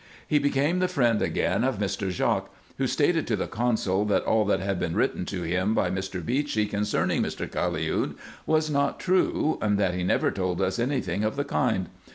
He became the friend again of Mr. Jaques, who stated to the consul, that ail that had been written to him by Mr. Beechey concerning Mr. Caliud was not true, and that he never told us any thing of the kind.